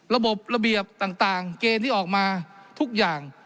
ระบบระเบียบต่างเกณฑ์ที่ออกมาทุกอย่าง